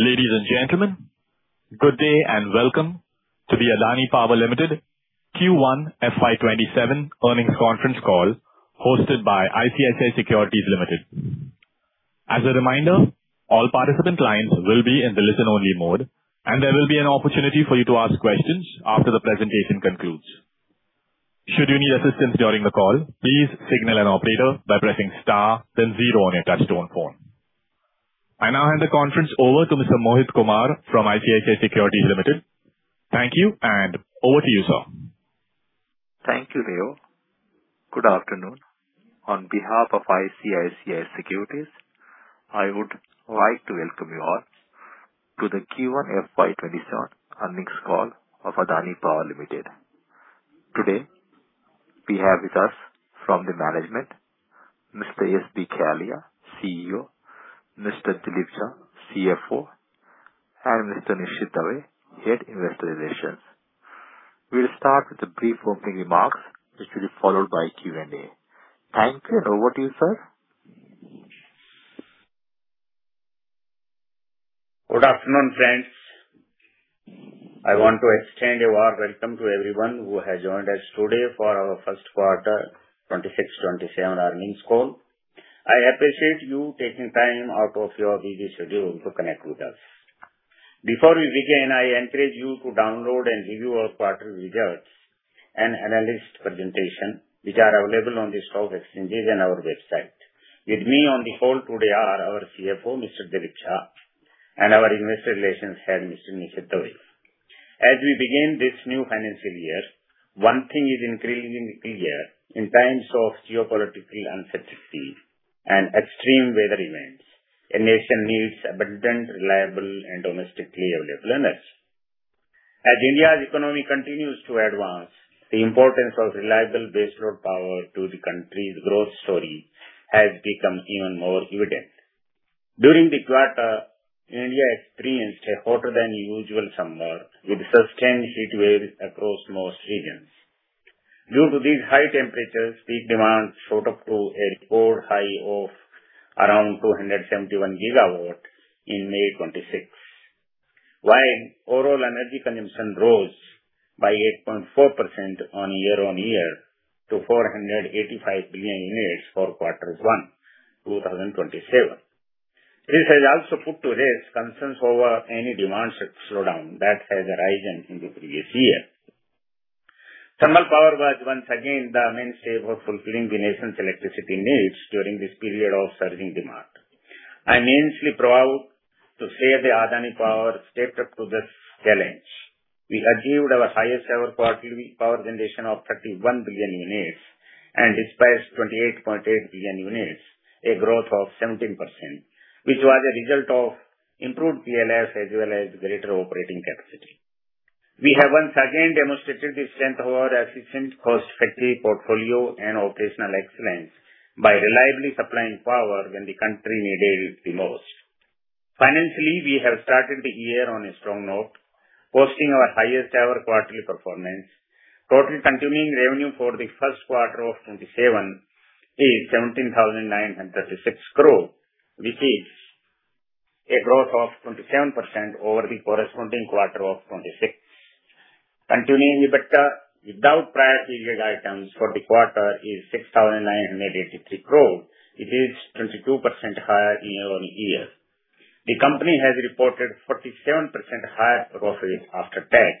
Ladies and gentlemen, good day and welcome to the Adani Power Limited Q1 FY 2027 earnings conference call hosted by ICICI Securities Limited. As a reminder, all participant lines will be in the listen-only mode, and there will be an opportunity for you to ask questions after the presentation concludes. Should you need assistance during the call, please signal an operator by pressing star then zero on your touchtone phone. I now hand the conference over to Mr. Mohit Kumar from ICICI Securities Limited. Thank you, and over to you, sir. Thank you, Leo. Good afternoon. On behalf of ICICI Securities, I would like to welcome you all to the Q1 FY 2027 earnings call of Adani Power Limited. Today, we have with us from the management, Mr. SB Kalia, CEO, Mr. Dilip Jha, CFO, and Mr. Nishit Dave, Head Investor Relations. We'll start with a brief opening remarks, which will be followed by Q&A. Thank you. Over to you, sir. Good afternoon, friends. I want to extend a warm welcome to everyone who has joined us today for our first quarter 2026/2027 earnings call. I appreciate you taking time out of your busy schedule to connect with us. Before we begin, I encourage you to download and review our quarter results and analyst presentation, which are available on the stock exchanges and our website. With me on the call today are our CFO, Mr. Dilip Jha, and our Investor Relations Head, Mr. Nishit Dave. As we begin this new financial year, one thing is increasingly clear. In times of geopolitical uncertainty and extreme weather events, a nation needs abundant, reliable, and domestically available energy. As India's economy continues to advance, the importance of reliable baseload power to the country's growth story has become even more evident. During the quarter, India experienced a hotter than usual summer with sustained heatwaves across most regions. Due to these high temperatures, peak demand shot up to a record high of around 271 GW in May 2026. While overall energy consumption rose by 8.4% year-on-year to 485 billion units for Q1 2027. This has also put to rest concerns over any demand slowdown that has arisen in the previous year. Thermal power was once again the mainstay for fulfilling the nation's electricity needs during this period of surging demand. I'm immensely proud to say that Adani Power stepped up to this challenge. We achieved our highest ever quarterly power generation of 31 billion units and dispatched 28.8 billion units, a growth of 17%, which was a result of improved PLF as well as greater operating capacity. We have once again demonstrated the strength of our efficient cost factory portfolio and operational excellence by reliably supplying power when the country needed it the most. Financially, we have started the year on a strong note, posting our highest ever quarterly performance. Total continuing revenue for the first quarter of 2027 is 17,936 crore, which is a growth of 27% over the corresponding quarter of 2026. Continuing EBITDA without prior period items for the quarter is 6,983 crore rupees. It is 22% higher year-over-year. The company has reported 47% higher profit after tax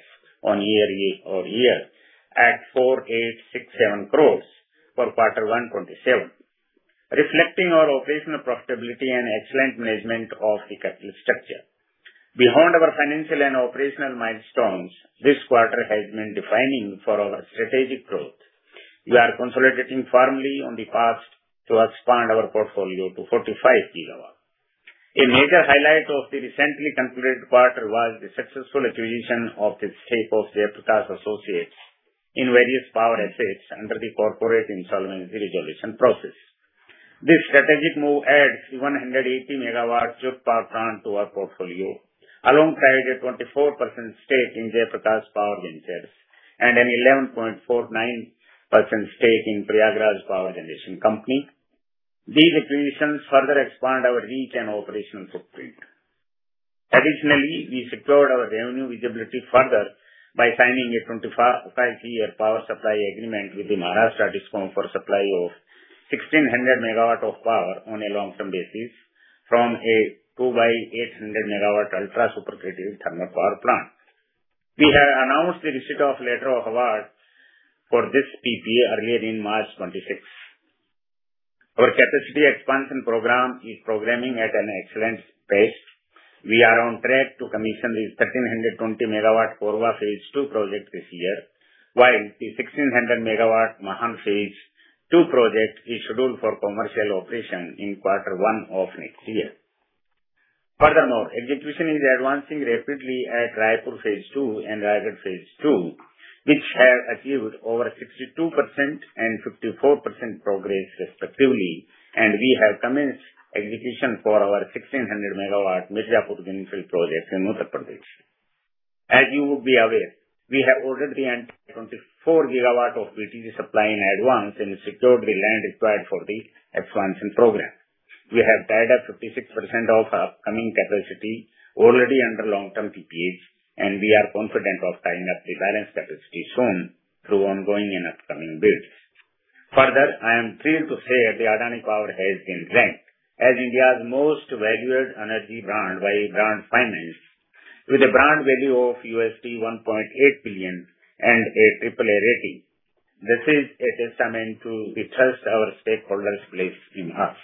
year-over-year at INR 4,867 crore for quarter one, 2027, reflecting our operational profitability and excellent management of the capital structure. Beyond our financial and operational milestones, this quarter has been defining for our strategic growth. We are consolidating firmly on the path to expand our portfolio to 45 GW. A major highlight of the recently concluded quarter was the successful acquisition of the stake of Jaiprakash Associates in various power assets under the corporate insolvency resolution process. This strategic move adds 180 MW of power plant to our portfolio alongside a 24% stake in Jaiprakash Power Ventures and an 11.49% stake in Prayagraj Power Generation Company. These acquisitions further expand our reach and operational footprint. Additionally, we secured our revenue visibility further by signing a 25-year power supply agreement with the Maharashtra Discom for supply of 1,600 MW of power on a long-term basis from a 2x800 MW ultra-supercritical thermal power plant. We have announced the receipt of letter of award for this PPA earlier in March 2026. Our capacity expansion program is progressing at an excellent pace. We are on track to commission the 1,320 MW Korba Phase Two project this year, while the 1,600 MW Mahan Phase-II project is scheduled for commercial operation in quarter one of next year. Furthermore, execution is advancing rapidly at Raipur Phase-II and Raigarh Phase II, which have achieved over 62% and 54% progress respectively, and we have commenced execution for our 1,600 MW Mirzapur greenfield project in Uttar Pradesh. As you would be aware, we have already entered 24 GW of BTG supply in advance and secured the land required for the expansion program. We have tied up 56% of our upcoming capacity already under long-term PPAs, and we are confident of tying up the balance capacity soon through ongoing and upcoming builds. I am thrilled to say that Adani Power has been ranked as India's most valued energy brand by Brand Finance, with a brand value of $1.8 billion and a AAA rating. This is a testament to the trust our stakeholders place in us.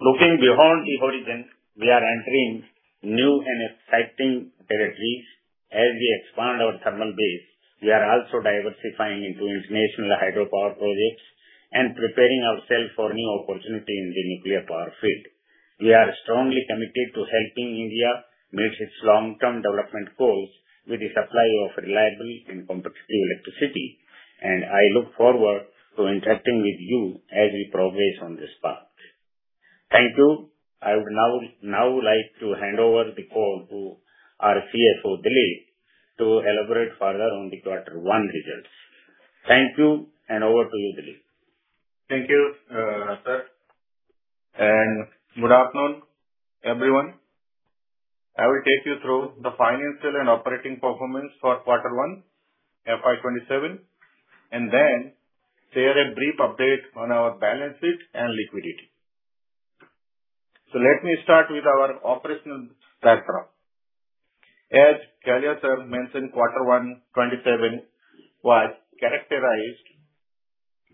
Looking beyond the horizon, we are entering new and exciting territories. As we expand our thermal base, we are also diversifying into international hydropower projects and preparing ourselves for new opportunities in the nuclear power field. We are strongly committed to helping India meet its long-term development goals with the supply of reliable and competitive electricity, and I look forward to interacting with you as we progress on this path. Thank you. I would now like to hand over the call to our CFO, Dilip, to elaborate further on the quarter one results. Thank you, and over to you, Dilip. Thank you, sir, and good afternoon, everyone. I will take you through the financial and operating performance for quarter one FY 2027 and then share a brief update on our balance sheet and liquidity. Let me start with our operational backdrop. As Kalia sir mentioned, quarter one 2027 was characterized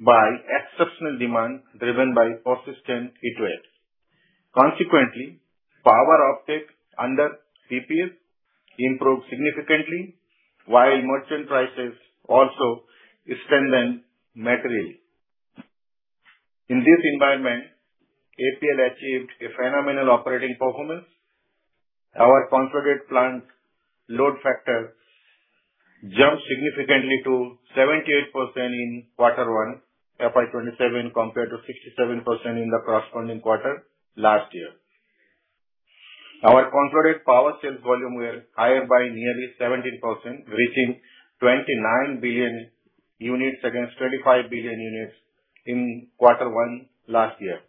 by exceptional demand driven by persistent heatwaves. Consequently, power offtake under PPAs improved significantly, while merchant prices also strengthened materially. In this environment, APL achieved a phenomenal operating performance. Our consolidated plant load factor jumped significantly to 78% in quarter one FY 2027 compared to 67% in the corresponding quarter last year. Our consolidated power sales volume were higher by nearly 17%, reaching 29 billion units against 25 billion units in quarter one last year.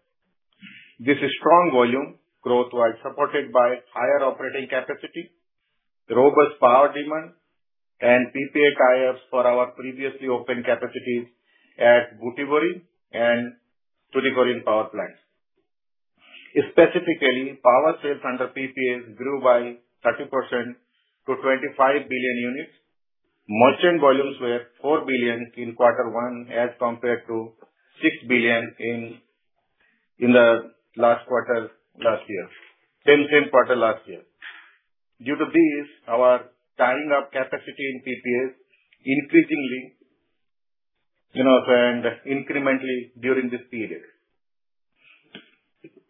This strong volume growth was supported by higher operating capacity, robust power demand, and PPA tie-ups for our previously open capacities at Butibori and Tuticorin power plants. Specifically, power sales under PPAs grew by 30% to 25 billion units. Merchant volumes were 4 billion in quarter one as compared to 6 billion in the same quarter last year. Due to this, our tying up capacity in PPAs increased incrementally during this period.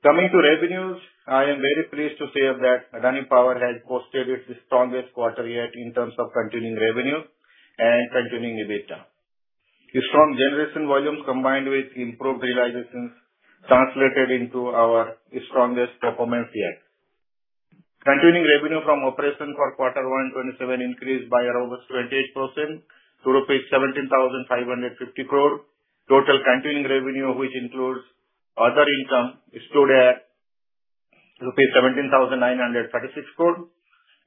Coming to revenues, I am very pleased to say that Adani Power has posted its strongest quarter yet in terms of continuing revenue and continuing EBITDA. Strong generation volumes combined with improved realizations translated into our strongest performance yet. Continuing revenue from operations for quarter one 2027 increased by a robust 28% to rupees 17,550 crore. Total continuing revenue, which includes other income, stood at rupees 17,936 crore,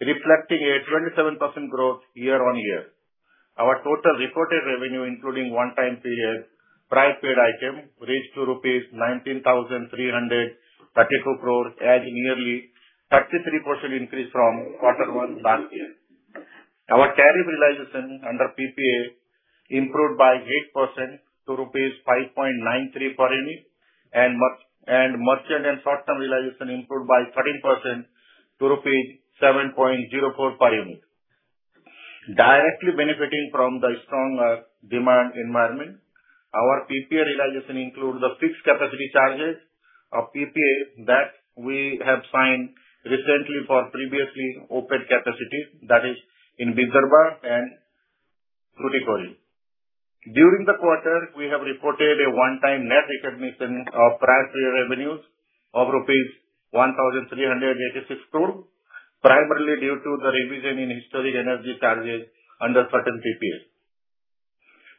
reflecting a 27% growth year-on-year. Our total reported revenue, including one-time PPA price paid item, reached to rupees 19,332 crore, a nearly 33% increase from quarter one last year. Our tariff realization under PPA improved by 8% to rupees 5.93 per unit, and merchant and short-term realization improved by 13% to rupees 7.04 per unit. Directly benefiting from the stronger demand environment, our PPA realization includes the fixed capacity charges of PPAs that we have signed recently for previously opened capacities that is in Vizag and Tuticorin. During the quarter, we have reported a one-time net recognition of price review revenues of rupees 1,386 crore, primarily due to the revision in historic energy charges under certain PPAs.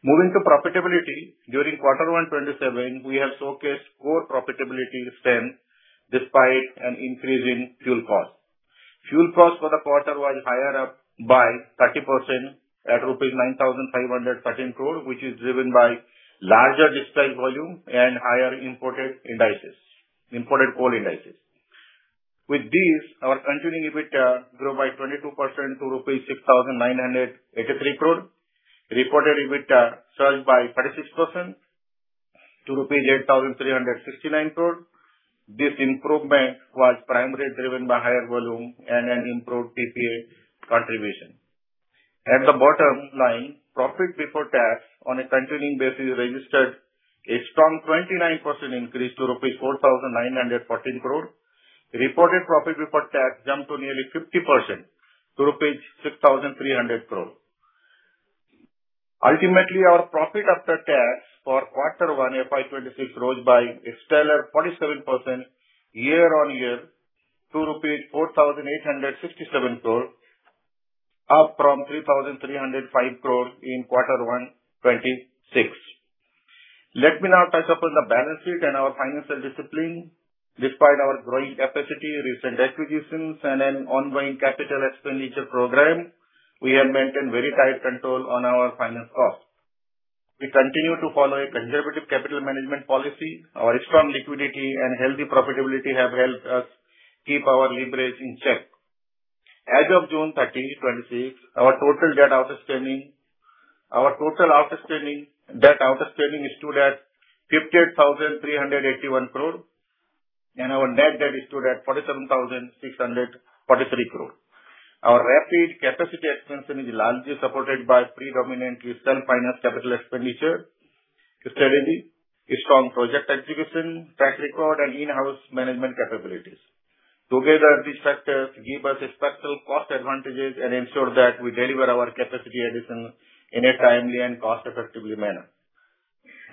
Moving to profitability, during quarter one 2027, we have showcased core profitability strength despite an increase in fuel costs. Fuel costs for the quarter were higher up by 30% at rupees 9,513 crore, which is driven by larger dispatch volume and higher imported coal indices. Our continuing EBITDA grew by 22% to rupees 6,983 crore. Reported EBITDA surged by 36% to rupees 8,369 crore. This improvement was primarily driven by higher volume and an improved PPA contribution. At the bottom line, profit before tax on a continuing basis registered a strong 29% increase to rupees 4,914 crore. Reported profit before tax jumped to nearly 50% to rupees 6,300 crore. Ultimately, our profit after tax for quarter one FY 2026 rose by a stellar 47% year-on-year to INR 4,867 crore, up from 3,305 crore in quarter one 2026. Let me now touch upon the balance sheet and our financial discipline. Despite our growing capacity, recent acquisitions, and an ongoing capital expenditure program, we have maintained very tight control on our finance costs. We continue to follow a conservative capital management policy. Our strong liquidity and healthy profitability have helped us keep our leverage in check. As of June 13, 2026, our total debt outstanding stood at 58,381 crore, and our net debt stood at 47,643 crore. Our rapid capacity expansion is largely supported by predominantly self-financed capital expenditure strategy, a strong project execution track record and in-house management capabilities. Together, these factors give us a special cost advantages and ensure that we deliver our capacity additions in a timely and cost-effective manner.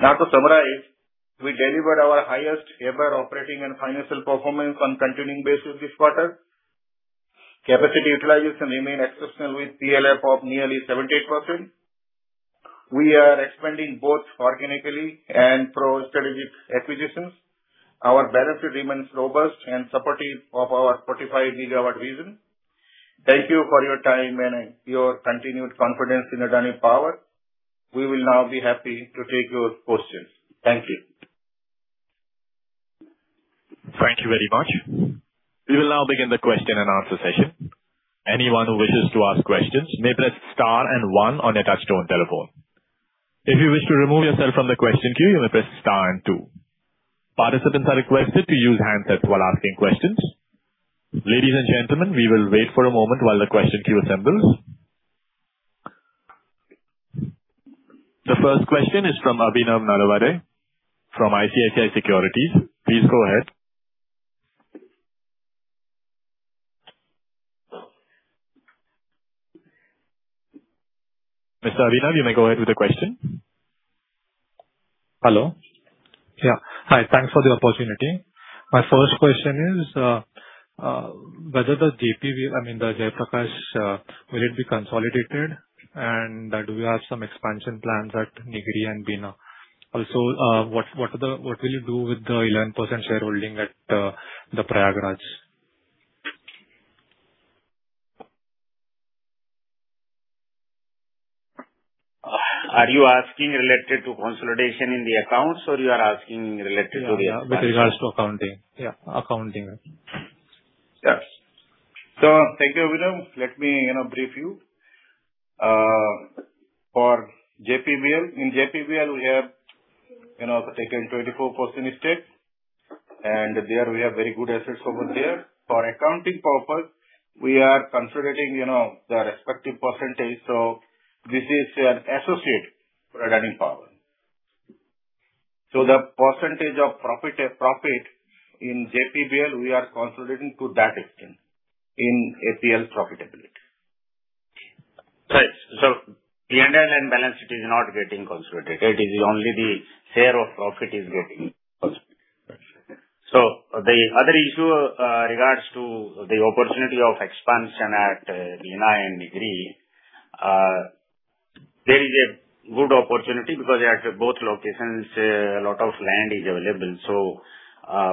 To summarize, we delivered our highest ever operating and financial performance on continuing basis this quarter. Capacity utilization remained exceptional with PLF of nearly 78%. We are expanding both organically and through strategic acquisitions. Our balance sheet remains robust and supportive of our 45 GW vision. Thank you for your time and your continued confidence in Adani Power. We will now be happy to take your questions. Thank you. Thank you very much. We will now begin the question-and-answer session. Anyone who wishes to ask questions may press star and one on your touchtone telephone. If you wish to remove yourself from the question queue, you may press star and two. Participants are requested to use handsets while asking questions. Ladies and gentlemen, we will wait for a moment while the question queue assembles. The first question is from Abhinav Nalawade from ICICI Securities. Please go ahead. Mr. Abhinav, you may go ahead with the question. Hello. Yeah. Hi. Thanks for the opportunity. My first question is, whether the JP, I mean, the Jaiprakash, will it be consolidated, and that we have some expansion plans at Nigrie and Bina. What will you do with the 11% shareholding at the Prayagraj? Are you asking related to consolidation in the accounts, or you are asking related to- Yeah, with regards to accounting. Yeah, accounting, I think. Yes. Thank you, Abhinav. Let me brief you. For JPVL, in JPVL, we have taken 24% stake, and there we have very good assets over there. For accounting purpose, we are considering their respective percentage. This is an associate for Adani Power. The percentage of profit in JPVL, we are consolidating to that extent in APL profitability. Right. The underlying balance sheet is not getting consolidated. It is only the share of profit is getting consolidated. Got you. The other issue regards to the opportunity of expansion at Bina and Nigrie. There is a good opportunity because at both locations, a lot of land is available.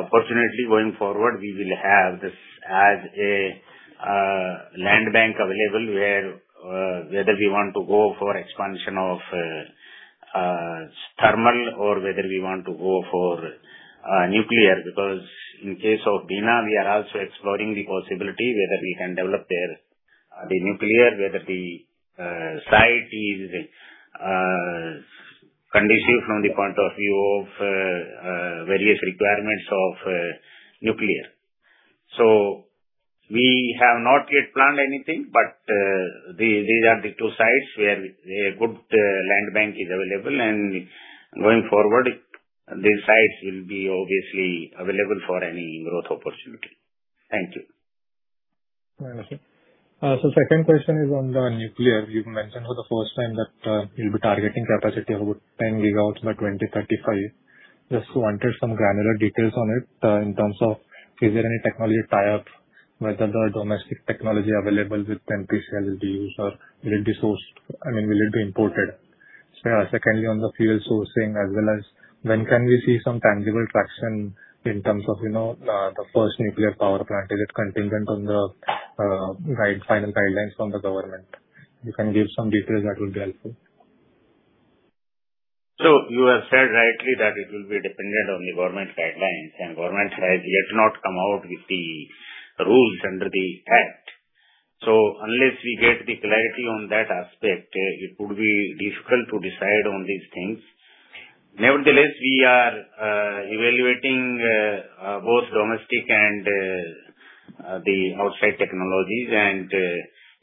Fortunately, going forward, we will have this as a land bank available where, whether we want to go for expansion of thermal or whether we want to go for nuclear. In case of Bina, we are also exploring the possibility whether we can develop there the nuclear, whether the site is conducive from the point of view of various requirements of nuclear. We have not yet planned anything, but these are the two sites where a good land bank is available, and going forward, these sites will be obviously available for any growth opportunity. Thank you. Understood. Second question is on the nuclear. You've mentioned for the first time that you'll be targeting capacity of about 10 GW by 2035. Just wanted some granular details on it, in terms of is there any technology tie-up, whether the domestic technology available with NPCIL will be used or will it be sourced, I mean, will it be imported? Secondly, on the fuel sourcing as well as when can we see some tangible traction in terms of the first nuclear power plant? Is it contingent on the right final guidelines from the government? If you can give some details, that would be helpful. You have said rightly that it will be dependent on the government guidelines, and government has yet not come out with the rules under the Act. Unless we get the clarity on that aspect, it would be difficult to decide on these things. Nevertheless, we are evaluating both domestic and the outside technologies, and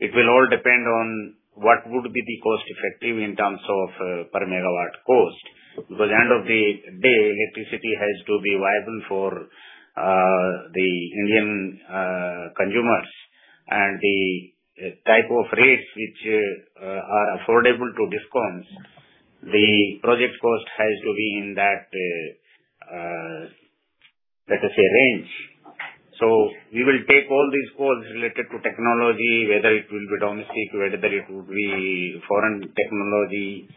it will all depend on what would be the cost effective in terms of per megawatt cost. At the end of the day, electricity has to be viable for the Indian consumers The type of rates which are affordable to DISCOMs, the project cost has to be in that, let us say, range. We will take all these costs related to technology, whether it will be domestic, whether it would be foreign technology.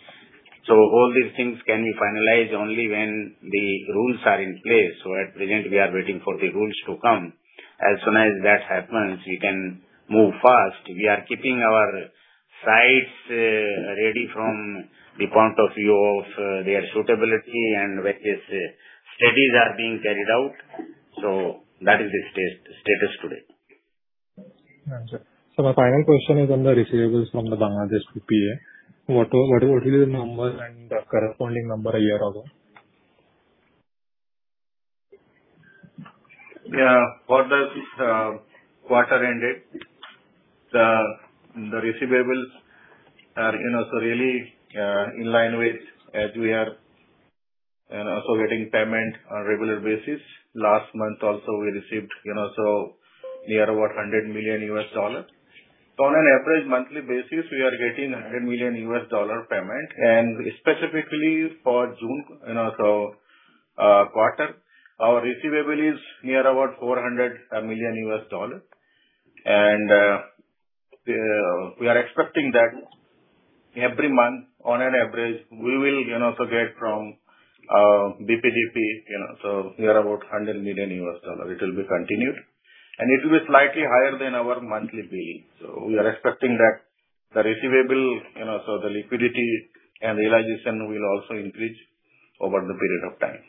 All these things can be finalized only when the rules are in place. At present, we are waiting for the rules to come. As soon as that happens, we can move fast. We are keeping our sites ready from the point of view of their suitability and various studies are being carried out. That is the status today. Understood. My final question is on the receivables from the Bangladesh PPAs. What will be the number and the corresponding number a year ago? For this quarter ending, the receivables are really in line with as we are also getting payment on regular basis. Last month also we received near about $100 million. On an average monthly basis, we are getting $100 million payment. Specifically for June quarter, our receivable is near about $400 million. We are expecting that every month, on an average, we will also get from BPDB near about $100 million. It will be continued, and it will be slightly higher than our monthly bill. We are expecting that the receivable, the liquidity and realization will also increase over the period of time.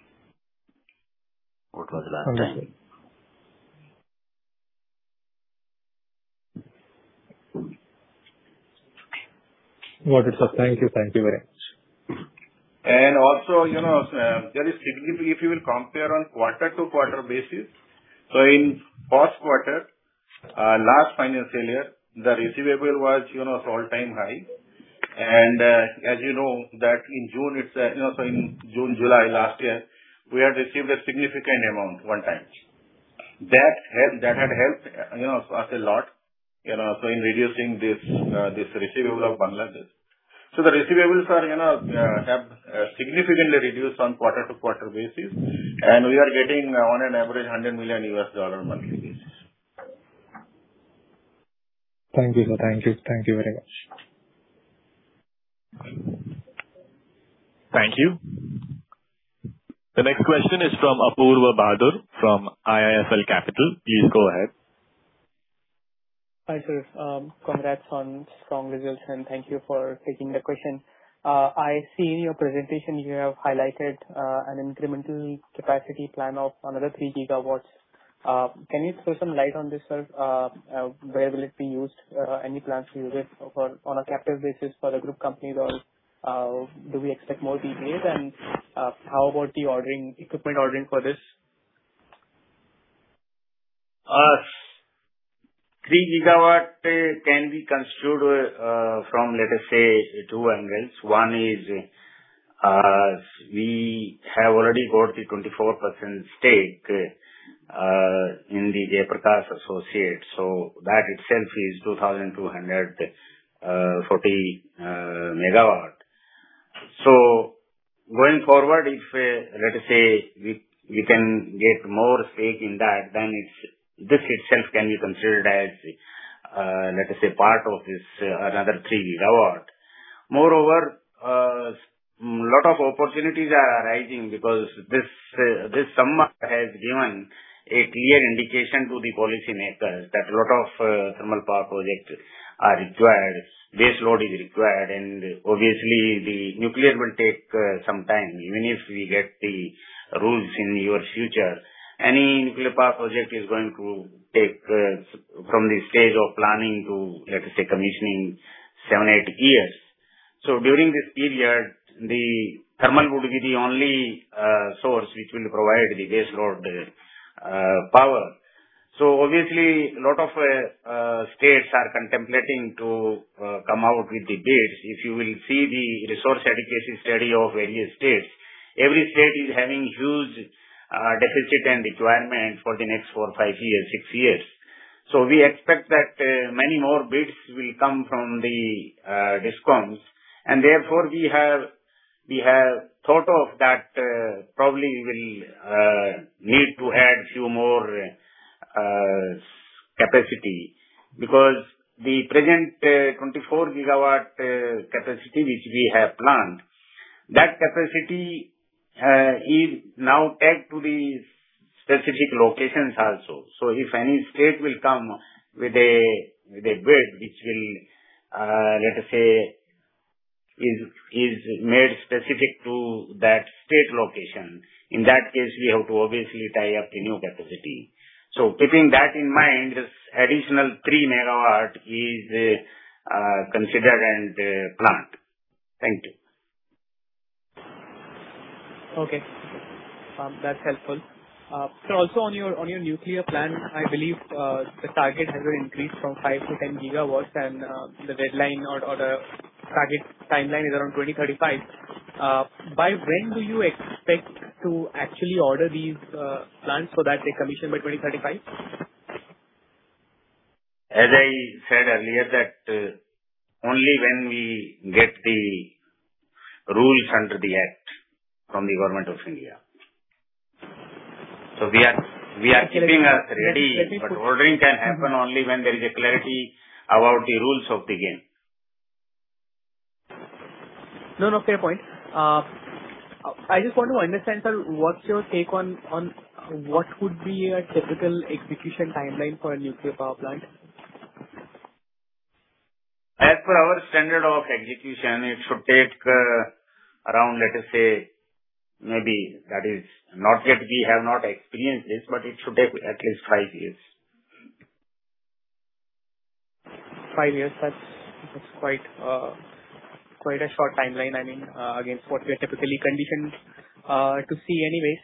Understood. Got it, sir. Thank you very much. Also, if you will compare on quarter-to-quarter basis, so in first quarter, last financial year, the receivable was all-time high. As you know that in June, July last year, we had received a significant amount one time. That had helped us a lot in reducing this receivable of Bangladesh. The receivables have significantly reduced on quarter-to-quarter basis, and we are getting on an average $100 million monthly basis. Thank you, sir. Thank you very much. Thank you. The next question is from Apoorva Bahadur from IIFL Capital. Please go ahead. Hi, sir. Congrats on strong results, and thank you for taking the question. I see in your presentation you have highlighted an incremental capacity plan of another 3 GW. Can you throw some light on this, sir? Where will it be used? Any plans to use it on a captive basis for the group companies, or do we expect more details? How about the equipment ordering for this? 3 GW can be considered from, let us say, two angles. One is we have already got the 24% stake in the Jaiprakash Associates, so that itself is 2,240 MW. Going forward, if let us say, we can get more stake in that, then this itself can be considered as let us say, part of this another 3 GW. Moreover, lot of opportunities are arising because this summer has given a clear indication to the policymakers that a lot of thermal power projects are required, base load is required, and obviously the nuclear will take some time. Even if we get the rules in near future, any nuclear power project is going to take from the stage of planning to, let us say, commissioning seven, eight years. During this period, the thermal would be the only source which will provide the base load power. Obviously, lot of states are contemplating to come out with the bids. If you will see the resource allocation study of various states, every state is having huge deficit and requirement for the next four, five years, six years. We expect that many more bids will come from the DISCOMs. Therefore, we have thought of that probably we will need to add few more capacity because the present 24 GW capacity which we have planned, that capacity is now tied to the specific locations also. If any state will come with a bid which will, let us say, is made specific to that state location, in that case, we have to obviously tie up a new capacity. Keeping that in mind, this additional 3 MW is considered and planned. Thank you. Okay. That's helpful. Sir, also on your nuclear plan, I believe, the target has been increased from 5 GW-10 GW and the deadline or the target timeline is around 2035. By when do you expect to actually order these plants so that they commission by 2035? As I said earlier, that only when we get the rules under the act from the Government of India. We are keeping us ready. Ordering can happen only when there is a clarity about the rules of the game. No, fair point. I just want to understand, sir, what's your take on what could be a typical execution timeline for a nuclear power plant? As per our standard of execution, it should take around, let us say, maybe that is not yet. We have not experienced this, but it should take at least five years. Five years. That's quite a short timeline against what we are typically conditioned to see anyways.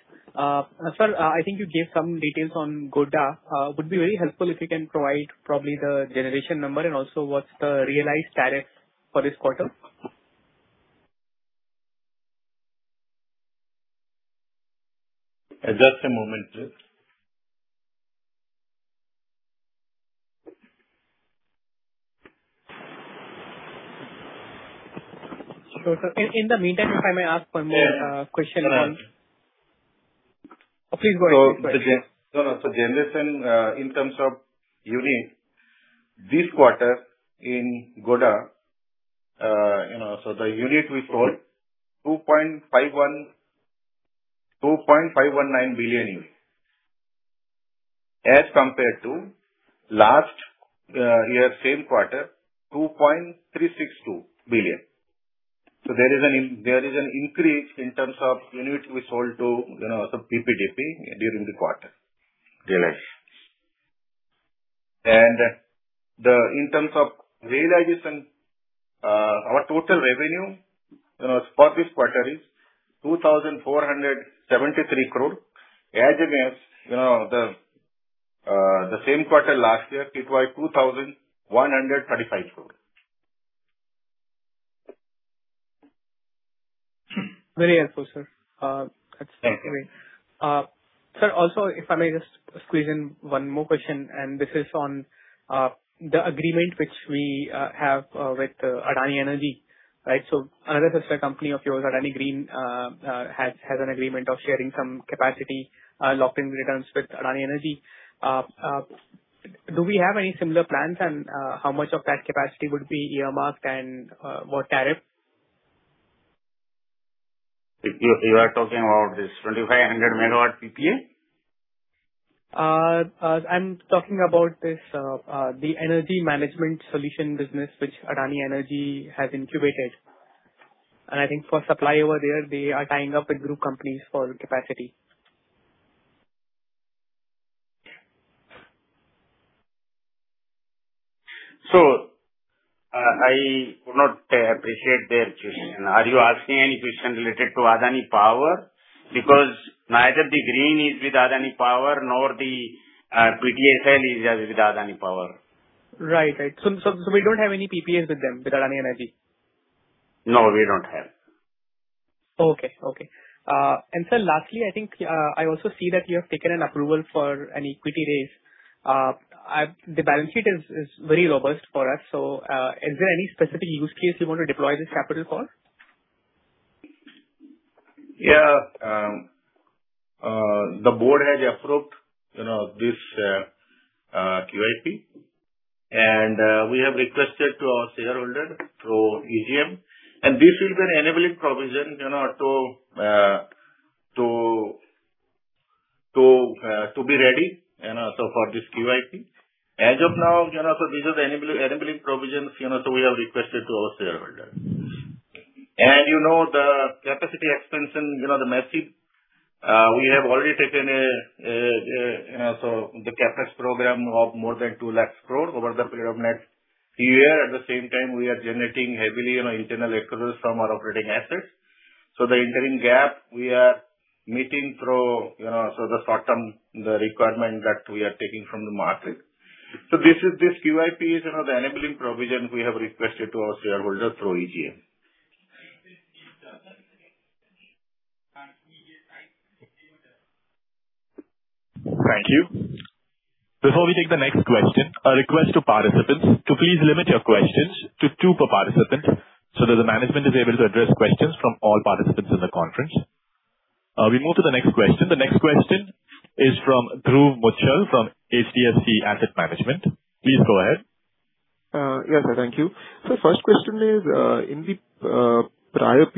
Sir, I think you gave some details on Godda. Would be very helpful if you can provide probably the generation number and also what's the realized tariff for this quarter. Just a moment, please. Sure, sir. In the meantime, if I may ask one more question. Yeah. Please go ahead. No. Generation, in terms of units, this quarter in Godda, the unit we sold, 2.519 billion units as compared to last year, same quarter, 2.362 billion. There is an increase in terms of units we sold to some BPDB during the quarter. In terms of realization, our total revenue for this quarter is 2,473 crore as against the same quarter last year, it was 2,135 crore. Very helpful, sir. Okay. That's great. Sir, if I may just squeeze in one more question, and this is on the agreement which we have with Adani Energy. Another sister company of yours, Adani Green, has an agreement of sharing some capacity lock-in returns with Adani Energy. Do we have any similar plans and how much of that capacity would be earmarked and what tariff? You are talking about this 2,500 MW PPA? I'm talking about the energy management solution business, which Adani Energy has incubated. I think for supply over there, they are tying up with group companies for capacity. I would not appreciate their question. Are you asking any question related to Adani Power? Neither the Green is with Adani Power nor the AESL is with Adani Power. Right. We don't have any PPAs with them, with Adani Energy? No, we don't have. Okay. Sir, lastly, I think I also see that you have taken an approval for an equity raise. The balance sheet is very robust for us, is there any specific use case you want to deploy this capital for? The board has approved this QIP, we have requested to our shareholder through EGM, this is an enabling provision to be ready for this QIP. As of now, these are the enabling provisions, we have requested to our shareholder. The capacity expansion, the massive, we have already taken the CapEx program of more than 2 lakh crore over the period of next year. At the same time, we are generating heavily internal accruals from our operating assets. The interim gap we are meeting through the short-term requirement that we are taking from the market. This QIP is the enabling provision we have requested to our shareholder through EGM. Thank you. Before we take the next question, a request to participants to please limit your questions to two per participant so that the management is able to address questions from all participants in the conference. We move to the next question. The next question is from Dhruv Muchhal from HDFC Asset Management. Please go ahead. Yes, sir. Thank you. Sir, first question is, in the prior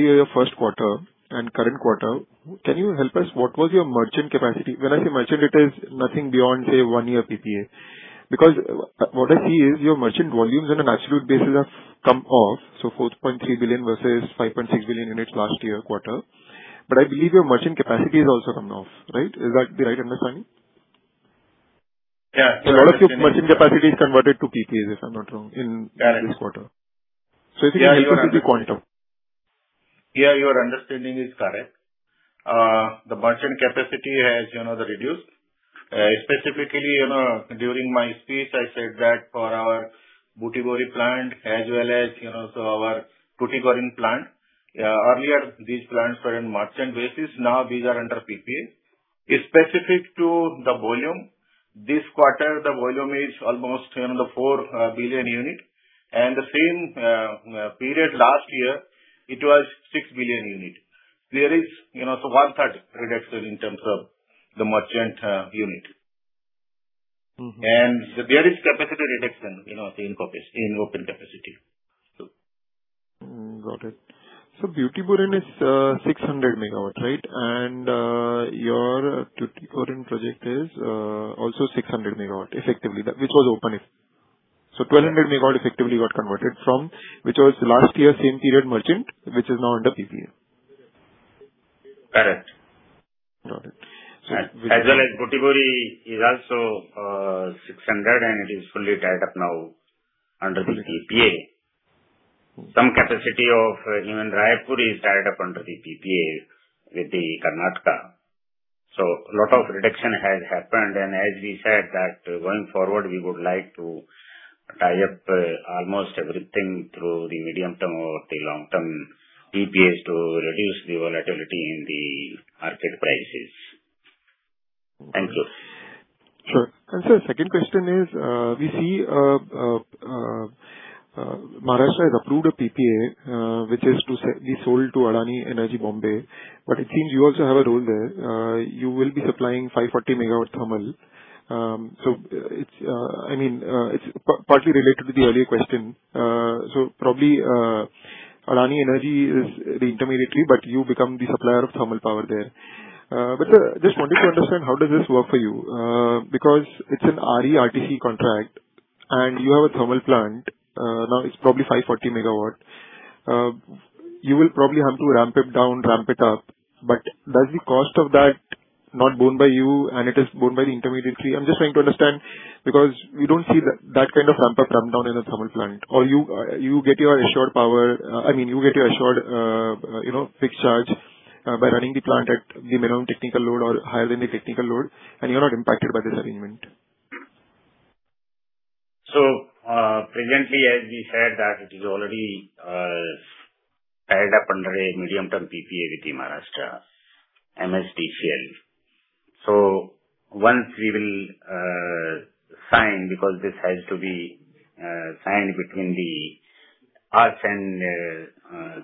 year first quarter and current quarter, can you help us, what was your merchant capacity? When I say merchant, it is nothing beyond, say, one-year PPA. What I see is your merchant volumes on an absolute basis have come off, so 4.3 billion versus 5.6 billion in its last year quarter. I believe your merchant capacity has also come off. Right? Is that the right understanding? Yeah. A lot of this merchant capacity is converted to PPAs, if I'm not wrong, in this quarter. Correct. If you can help us with the point of. Your understanding is correct. The merchant capacity has reduced. Specifically, during my speech, I said that for our Butibori plant as well as our Tuticorin plant. Earlier, these plants were in merchant basis. Now, these are under PPA. Specific to the volume, this quarter, the volume is almost 4 billion unit. The same period last year, it was 6 billion unit. There is one-third reduction in terms of the merchant unit. There is capacity reduction in open capacity too. Got it. Butibori is 600 MW, right? Your Tuticorin project is also 600 MW effectively, which was open. 1,200 MW effectively got converted from, which was last year same period merchant, which is now under PPA. Correct. Got it. As well as Butibori is also 600 and it is fully tied up now under the PPA. Some capacity of even Raipur is tied up under the PPA with the Karnataka. A lot of reduction has happened and as we said that going forward, we would like to tie up almost everything through the medium-term or the long-term PPAs to reduce the volatility in the market prices. Thank you. Sure. Sir, second question is, we see Maharashtra has approved a PPA which is to be sold to Adani Electricity Mumbai, it seems you also have a role there. You will be supplying 540 MW thermal. It's partly related to the earlier question. Probably Adani Energy is the intermediary, but you become the supplier of thermal power there. Sir, just wanting to understand, how does this work for you? Because it's an RE RTC contract and you have a thermal plant, now it's probably 540 MW. You will probably have to ramp it down, ramp it up, but does the cost of that not borne by you and it is borne by the intermediary? I'm just trying to understand, because we don't see that kind of ramp up, ramp down in a thermal plant. You get your assured power, I mean, you get your assured fixed charge by running the plant at the minimum technical load or higher than the technical load, and you're not impacted by this arrangement. Presently, as we said that it is already tied up under a medium-term PPA with the Maharashtra MSEDCL. Once we will sign, because this has to be signed between us and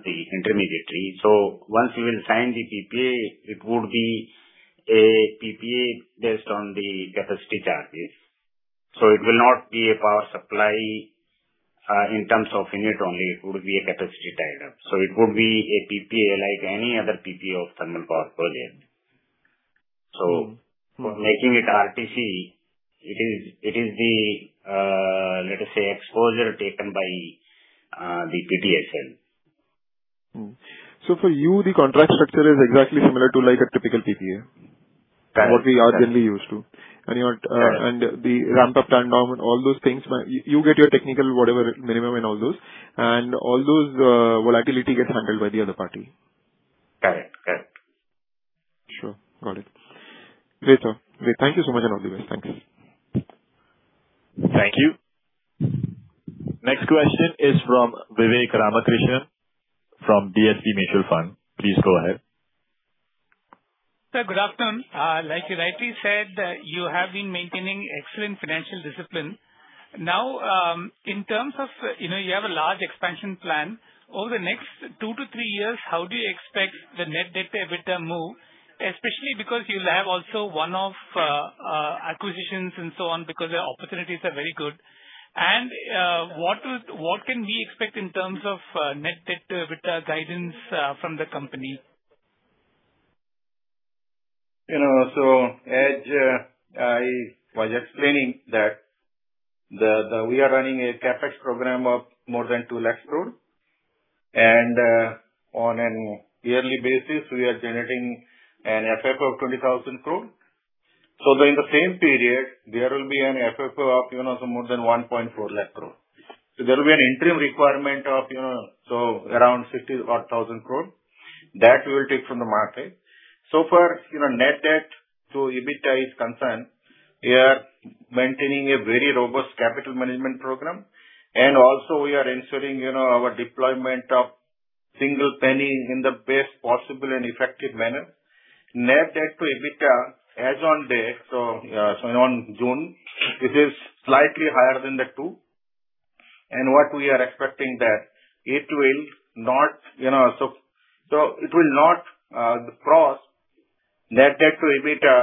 the intermediary. Once we will sign the PPA, it would be a PPA based on the capacity charges. It will not be a power supply in terms of unit only, it would be a capacity tied up. It would be a PPA like any other PPA of thermal power project. For making it RTC, it is the, let us say, exposure taken by the PPA seller. For you, the contract structure is exactly similar to like a typical PPA. Correct. What we are generally used to. Correct. The ramp up, ramp down and all those things, you get your technical minimum and all those volatility gets handled by the other party. Correct. Sure. Got it. Great, sir. Thank you so much and all the best. Thank you. Thank you. Next question is from Vivek Ramakrishnan from DSP Mutual Fund. Please go ahead. Sir, good afternoon. Like you rightly said, you have been maintaining excellent financial discipline. Now, in terms of, you have a large expansion plan. Over the next two to three years, how do you expect the net debt to EBITDA move? Especially because you will have also one-off acquisitions and so on, because the opportunities are very good. What can we expect in terms of net debt to EBITDA guidance from the company? As I was explaining that we are running a CapEx program of more than 200,000 crore. On an yearly basis, we are generating an FFO of 20,000 crore. In the same period, there will be an FFO of more than 140,000 crore. There will be an interim requirement of around 60,000 crore. That we will take from the market. For net debt to EBITDA is concerned, we are maintaining a very robust capital management program. Also we are ensuring our deployment of single penny in the best possible and effective manner. Net debt to EBITDA as on date, so on June, it is slightly higher than the two. What we are expecting that it will not cross net debt to EBITDA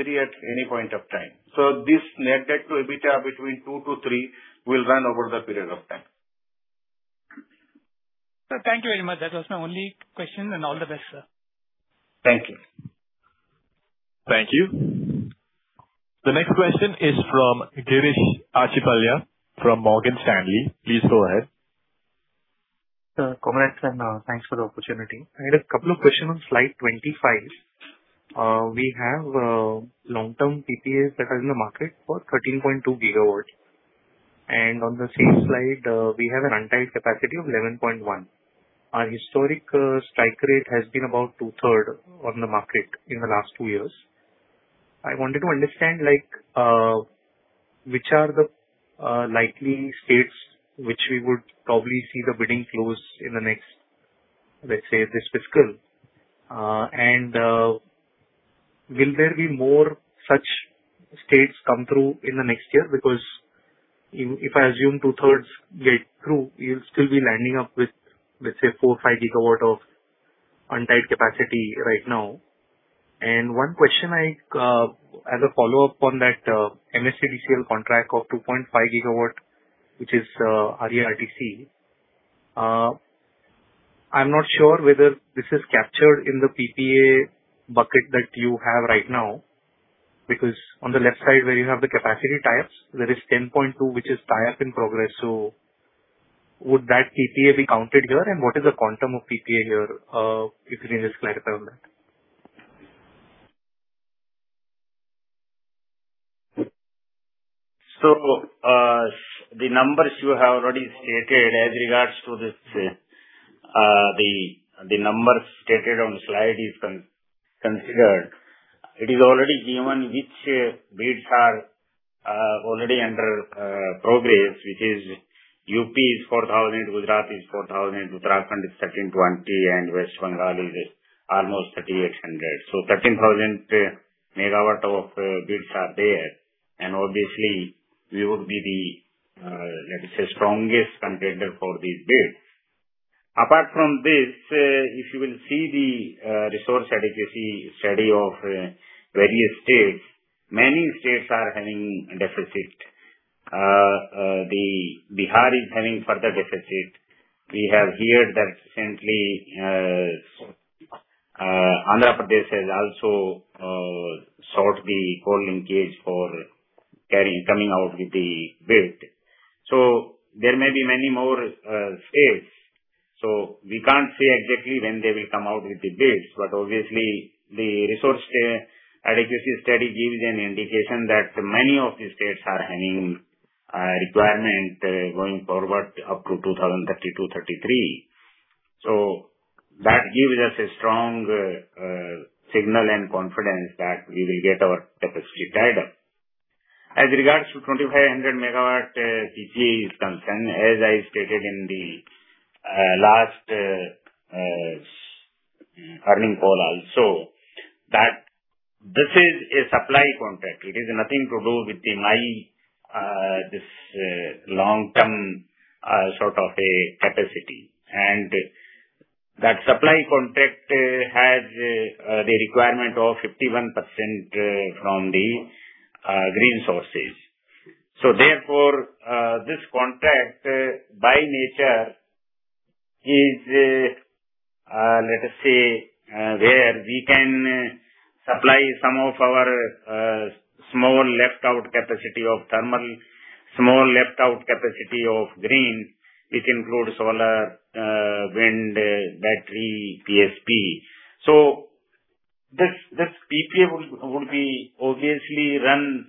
three at any point of time. This net debt to EBITDA between two to three will run over the period of time. Sir, thank you very much. That was my only question and all the best, sir. Thank you. Thank you. The next question is from Girish Achhipalia from Morgan Stanley. Please go ahead. Sir, congrats and thanks for the opportunity. I had a couple of questions on slide 25. We have long-term PPAs that are in the market for 13.2 GW. On the same slide, we have an untied capacity of 11.1 GW. Our historic strike rate has been about two-thirds on the market in the last two years. I wanted to understand which are the likely states which we would probably see the bidding close in, let's say, this fiscal. Will there be more such states come through in the next year? If I assume two-thirds get through, you'll still be landing up with, let's say, four, five GW of untied capacity right now. One question as a follow-up on that MSEDCL contract of 2.5 GW, which is RE-RTC. I'm not sure whether this is captured in the PPA bucket that you have right now, because on the left side where you have the capacity types, there is 10.2 which is tie-up in progress. Would that PPA be counted here and what is the quantum of PPA here? If you can just clarify on that. The numbers you have already stated as regards to this, the numbers stated on the slide is considered. It is already given which bids are already under progress, which is UP is 4,000, Gujarat is 4,000, Uttarakhand is 1,320 and West Bengal is almost 3,800. 13,000 MW of bids are there. Obviously we would be the, let's say, strongest contender for these bids. Apart from this, if you will see the resource adequacy study of various states, many states are having deficit. Bihar is having further deficit. We have heard that recently Andhra Pradesh has also sought the coal linkage for coming out with the bid. There may be many more states, we can't say exactly when they will come out with the bids. Obviously the resource adequacy study gives an indication that many of the states are having a requirement going forward up to 2032, 2033. That gives us a strong signal and confidence that we will get our capacity tied up. As regards to 2,500 MW PPA is concerned, as I stated in the last earning call also, that this is a supply contract. It is nothing to do with my long-term sort of a capacity. That supply contract has the requirement of 51% from the green sources. Therefore, this contract by nature is, let us say, where we can supply some of our small left out capacity of thermal, small left out capacity of green, which includes solar, wind, battery, PSP. This PPA would be obviously run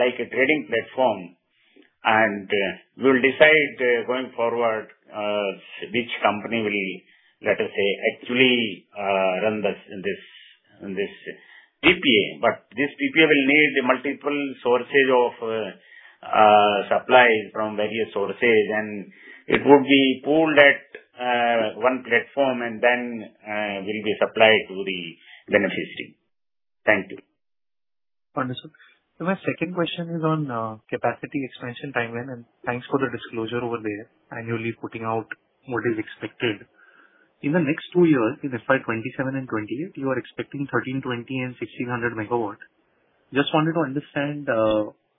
like a trading platform. We will decide going forward which company will, let us say, actually run this PPA. This PPA will need multiple sources of supply from various sources, and it would be pooled at one platform and then will be supplied to the beneficiary. Thank you. Understood. My second question is on capacity expansion timeline. Thanks for the disclosure over there, annually putting out what is expected. In the next two years, in FY 2027 and 2028, you are expecting 1,320 MW and 1,600 MW. Just wanted to understand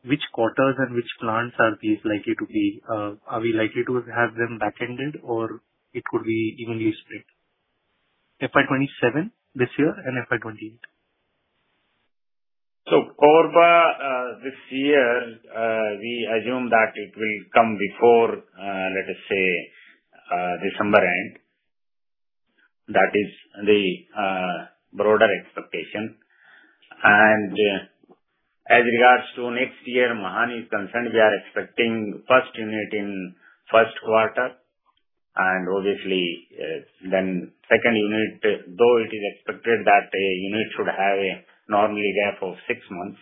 which quarters and which plants are these likely to be. Are we likely to have them backended or it would be evenly split? FY 2027 this year and FY 2028. Korba, this year, we assume that it will come before, let us say, December-end. That is the broader expectation. As regards to next year, Mahan is concerned, we are expecting first unit in first quarter and obviously then second unit, though it is expected that a unit should have a normally there for six months.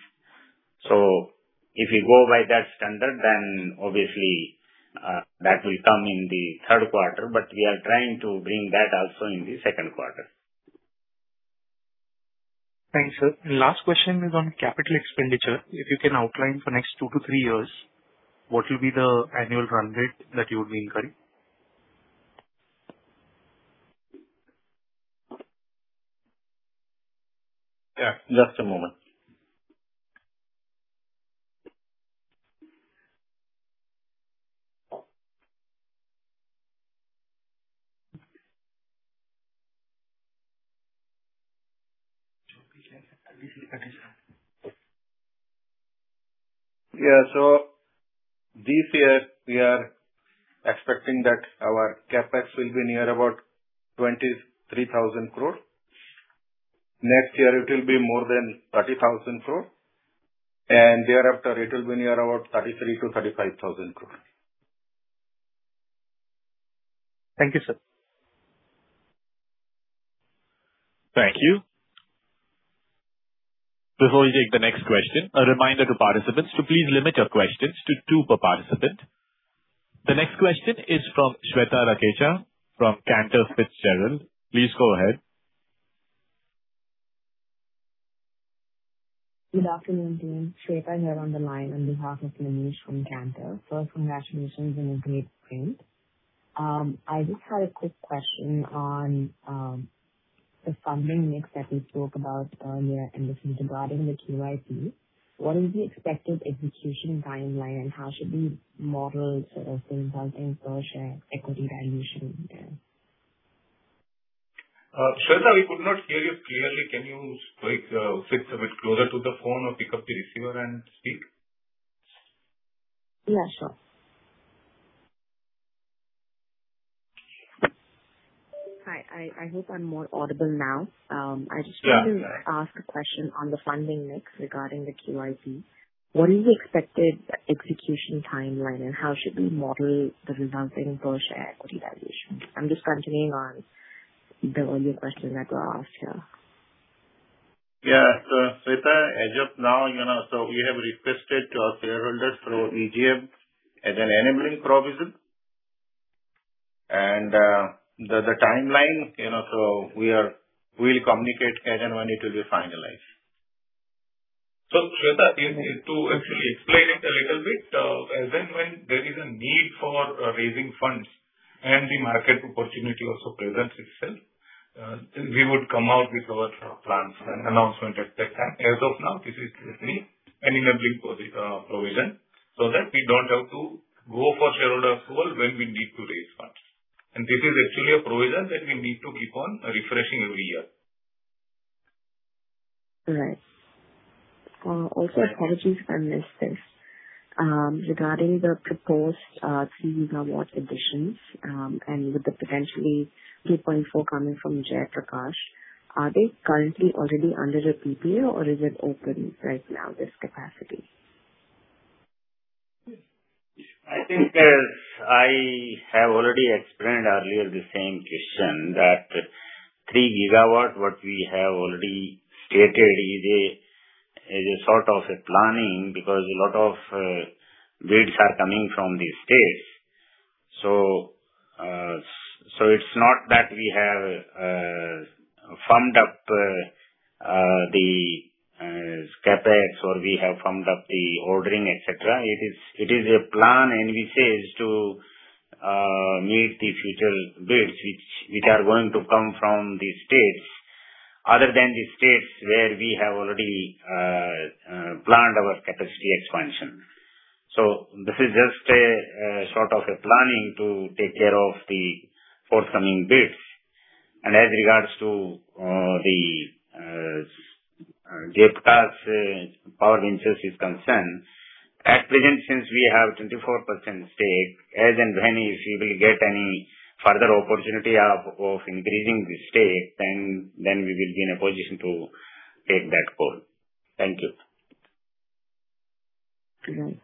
If we go by that standard, then obviously, that will come in the third quarter. We are trying to bring that also in the second quarter. Thanks, sir. Last question is on capital expenditure. If you can outline for next two to three years, what will be the annual run rate that you would be incurring? Yeah, just a moment. Yeah. This year we are expecting that our CapEx will be near about 23,000 crores. Next year it will be more than 30,000 crore, thereafter it will be near about 33,000 crore-35,000 crore. Thank you, sir. Thank you. Before we take the next question, a reminder to participants to please limit your questions to two per participant. The next question is from Shweta Rakesh from Cantor Fitzgerald. Please go ahead. Good afternoon, team. Shweta here on the line on behalf of Manish from Cantor. First, congratulations on a great print. I just had a quick question on the funding mix that we spoke about earlier, and this is regarding the QIP. What is the expected execution timeline, and how should we model the resulting per share equity valuation there? Shweta, we could not hear you clearly. Can you sit a bit closer to the phone or pick up the receiver and speak? Yeah, sure. Hi, I hope I'm more audible now. Yeah. I just wanted to ask a question on the funding mix regarding the QIP. What is the expected execution timeline, and how should we model the resulting per share equity valuation? I'm just continuing on the earlier question that was asked here. Yeah. Shweta, as of now, we have requested our shareholders through EGM as an enabling provision. The timeline, we'll communicate as and when it will be finalized. Shweta, to actually explain it a little bit, as and when there is a need for raising funds and the market opportunity also presents itself, we would come out with our plans and announcement at that time. As of now, this is just an enabling provision so that we don't have to go for shareholder approval when we need to raise funds. This is actually a provision that we need to keep on refreshing every year. Right. Also, apologies if I missed this. Regarding the proposed 3 GW additions, and with the potentially 2.4 coming from Jaiprakash, are they currently already under a PPA or is it open right now, this capacity? I think as I have already explained earlier the same question, that 3 GW, what we have already stated is a sort of a planning because a lot of bids are coming from the states. It's not that we have firmed up the CapEx or we have firmed up the ordering, et cetera. It is a plan in which is to meet the future bids which are going to come from the states other than the states where we have already planned our capacity expansion. This is just a sort of a planning to take care of the forthcoming bids. As regards to Jaiprakash Power Ventures is concerned, at present, since we have 24% stake, as and when if we will get any further opportunity of increasing the stake, then we will be in a position to take that forward. Thank you. Right.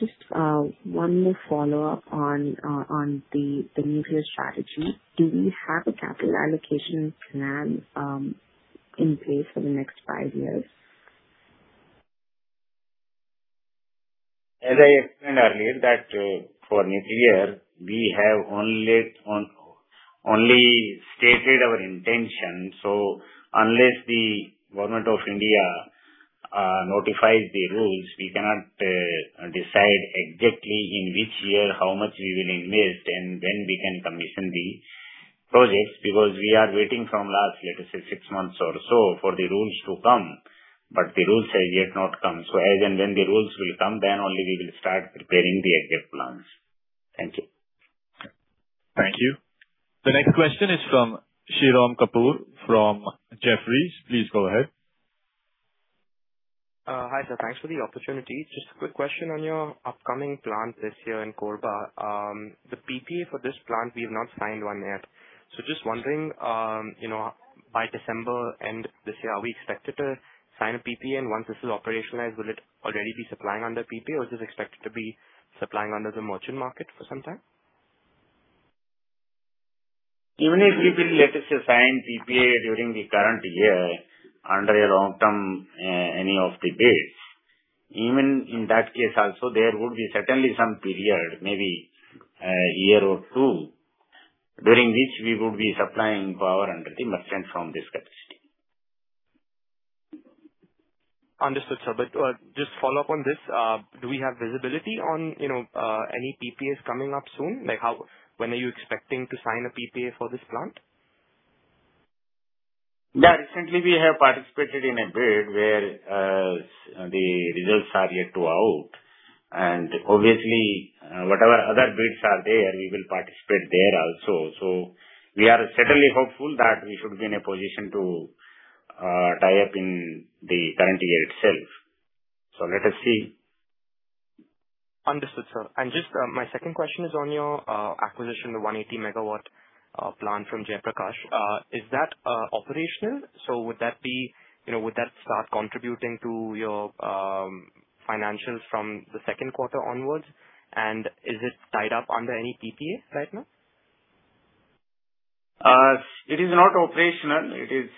Just one more follow-up on the nuclear strategy. Do we have a capital allocation plan in place for the next five years? As I explained earlier that for nuclear, we have only stated our intention. Unless the Government of India notifies the rules, we cannot decide exactly in which year, how much we will invest, and when we can commission the projects because we are waiting from last, let us say, six months or so for the rules to come, but the rules have yet not come. As and when the rules will come, then only we will start preparing the exact plans. Thank you. Thank you. The next question is from Shirom Kapur, from Jefferies. Please go ahead. Hi, sir. Thanks for the opportunity. Just a quick question on your upcoming plant this year in Korba. The PPA for this plant, we have not signed one yet. Just wondering, by December end this year, are we expected to sign a PPA? Once this is operationalized, will it already be supplying under PPA or is this expected to be supplying under the merchant market for some time? Even if we will, let us say, sign PPA during the current year under a long-term, any of the bids. Even in that case also, there would be certainly some period, maybe a year or two, during which we would be supplying power under the merchant from this capacity. Understood, sir. Just follow-up on this, do we have visibility on any PPAs coming up soon? When are you expecting to sign a PPA for this plant? Yeah. Recently we have participated in a bid where the results are yet to out. Obviously, whatever other bids are there, we will participate there also. We are certainly hopeful that we should be in a position to tie up in the current year itself. Let us see. Understood, sir. Just my second question is on your acquisition, the 180 MW plant from Jaiprakash. Is that operational? Would that start contributing to your financials from the second quarter onwards? Is it tied up under any PPA right now? It is not operational. It is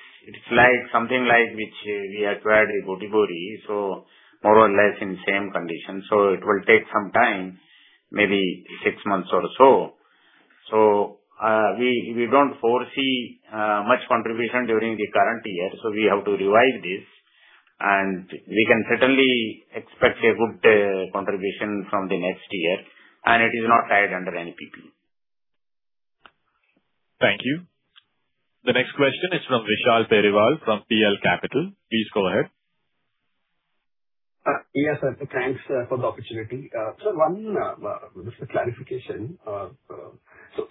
something like which we acquired the Butibori, more or less in the same condition. It will take some time, maybe six months or so. We don't foresee much contribution during the current year. We have to revise this, we can certainly expect a good contribution from the next year, and it is not tied under any PPA. Thank you. The next question is from Vishal Periwal, from PL Capital. Please go ahead. Yes, sir. Thanks for the opportunity. One clarification.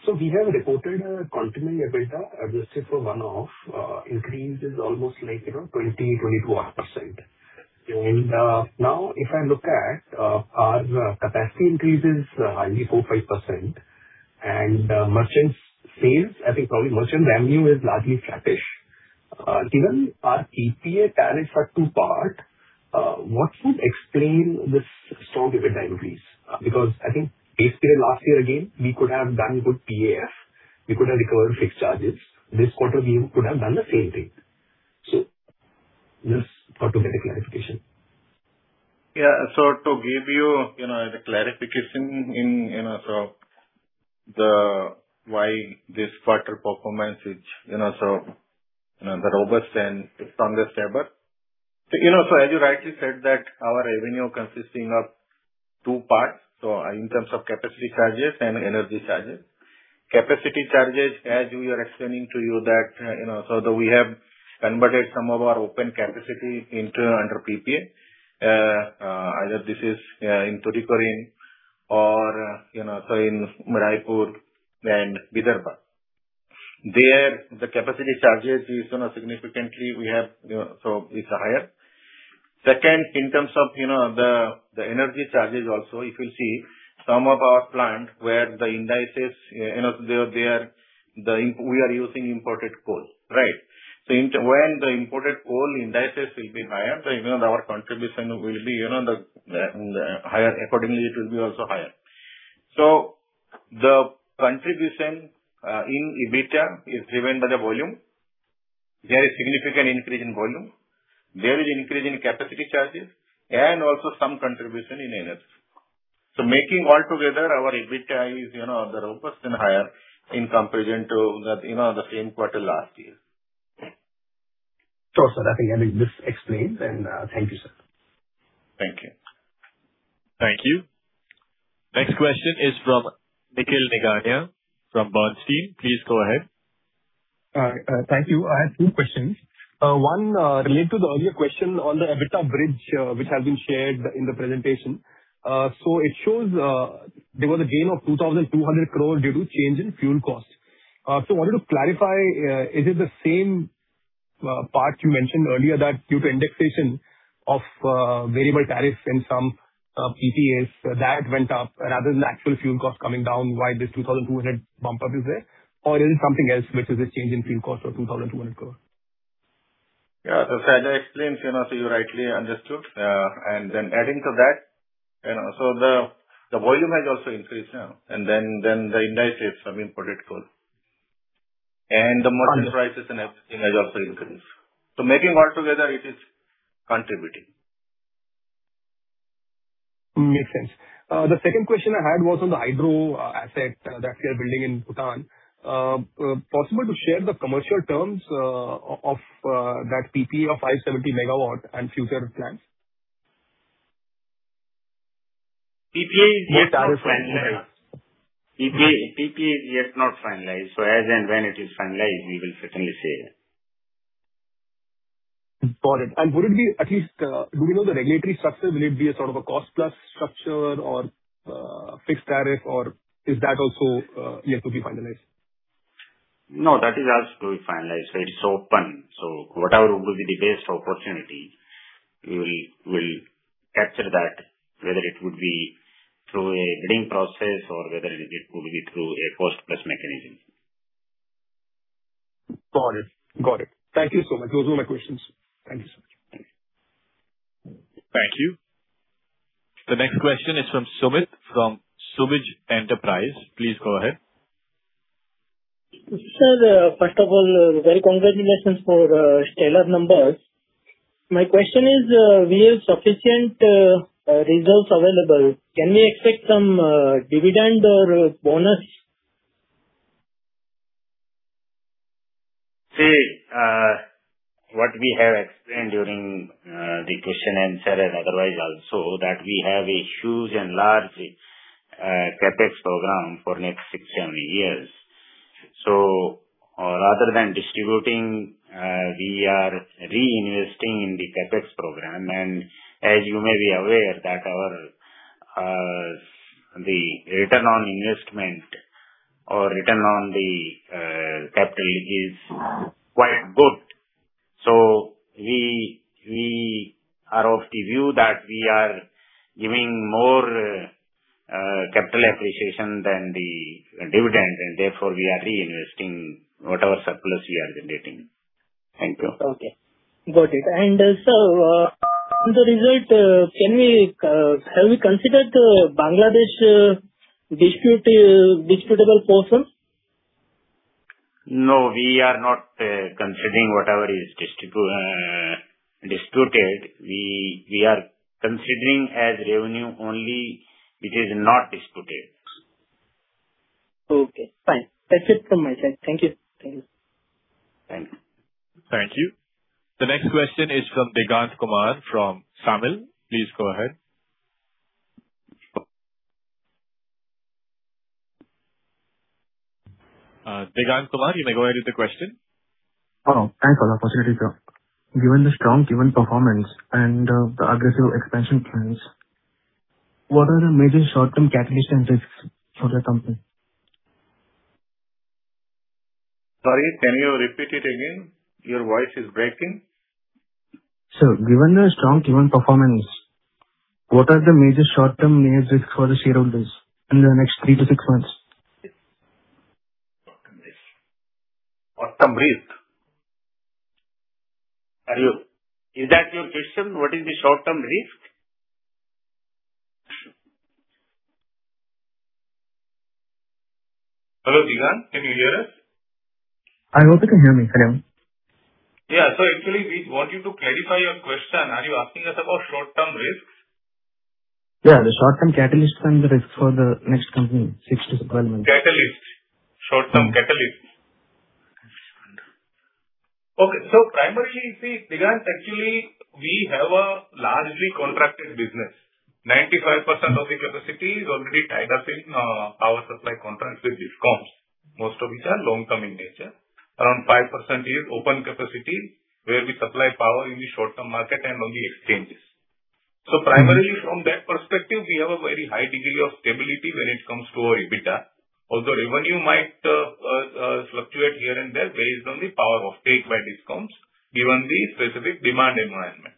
We have reported continuing EBITDA adjusted for one-off increases almost like 20%-21%. Now if I look at our capacity increases, hardly 4%-5%, and merchant sales, I think probably merchant revenue is largely flattish. Given our PPA tariffs are two-part, what would explain this strong EBITDA increase? I think last year, again, we could have done good PAF. We could have recovered fixed charges. This quarter, we could have done the same thing. Just thought to get a clarification. Yeah. To give you the clarification why this quarter performance is so robust and stronger stable. As you rightly said that our revenue consisting of two parts, in terms of capacity charges and energy charges. Capacity charges, as we are explaining to you that, we have converted some of our open capacity under PPA, either this is in Tuticorin or in Raipur and Vidarbha. There, the capacity charges significantly it's higher. Second, in terms of the energy charges also, if you see some of our plant where the indices, we are using imported coal. When the imported coal indices will be higher, even our contribution will be higher. Accordingly, it will be also higher. The contribution in EBITDA is driven by the volume. There is significant increase in volume. There is increase in capacity charges and also some contribution in energy. Making all together our EBITDA is the robust and higher in comparison to the same quarter last year. Sure, sir. I think this explains. Thank you, sir. Thank you. Thank you. Next question is from Nikhil Nigania from Bernstein. Please go ahead. Thank you. I have two questions. One related to the earlier question on the EBITDA bridge, which has been shared in the presentation. It shows there was a gain of 2,200 crore due to change in fuel cost. Wanted to clarify, is it the same part you mentioned earlier that due to indexation of variable tariffs and some PPAs that went up rather than actual fuel costs coming down, why this 2,200 crore bump up is there? Or is it something else which is a change in fuel cost of 2,200 crore? Yeah. As I explained, you rightly understood. Adding to that, the volume has also increased now. The indices of imported coal. The merchant prices and everything has also increased. Making all together, it is contributing. Makes sense. The second question I had was on the hydro asset that you are building in Bhutan. Possible to share the commercial terms of that PPA of 570 MW and future plans? PPA is yet not finalized. As and when it is finalized, we will certainly share. Got it. At least do we know the regulatory structure? Will it be a sort of a cost-plus structure or fixed tariff, or is that also yet to be finalized? No, that is also to be finalized. It is open. Whatever would be the best opportunity, we will capture that, whether it would be through a bidding process or whether it would be through a cost-plus mechanism. Got it. Thank you so much. Those were my questions. Thank you so much. Thank you. The next question is from Sumit from Sumit Enterprises. Please go ahead. Sir, first of all, very congratulations for stellar numbers. My question is, we have sufficient results available. Can we expect some dividend or bonus? See, what we have explained during the question and answer and otherwise also that we have a huge and large CapEx program for next six, seven years. Rather than distributing, we are reinvesting in the CapEx program. As you may be aware that the return on investment or return on the capital is quite good. We are of the view that we are giving more capital appreciation than the dividend, and therefore we are reinvesting whatever surplus we are generating. Thank you. Okay, got it. Sir the result, have we considered the Bangladesh disputable portion? No, we are not considering whatever is disputed. We are considering as revenue only which is not disputed. Okay, fine. That's it from my side. Thank you. Thank you. Thank you. The next question is from Digant Kumar from Samel. Please go ahead. Digant Kumar, you may go ahead with the question. Oh, thanks a lot. Opportunity, sir. Given the strong given performance and the aggressive expansion plans, what are the major short-term catalyst and risks for the company? Sorry, can you repeat it again? Your voice is breaking. Sir, given the strong given performance, what are the major short-term risks for the shareholders in the next three to six months? Short-term risk. Hello, is that your question? What is the short-term risk? Hello, Digant, can you hear us? I hope you can hear me. Sorry. Yeah. Actually we want you to clarify your question. Are you asking us about short-term risks? Yeah, the short-term catalysts and the risks for the next company, six to 12 months. Catalyst. Short-term catalyst. Okay, primarily, see, Digant, actually, we have a largely contracted business. 95% of the capacity is already tied up in power supply contracts with DISCOMs. Most of which are long-term in nature. Around 5% is open capacity, where we supply power in the short-term market and on the exchanges. Primarily from that perspective, we have a very high degree of stability when it comes to our EBITDA. Although revenue might fluctuate here and there based on the power off-take by DISCOMs, given the specific demand environment.